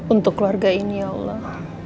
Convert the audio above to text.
untuk keluarga ini ya allah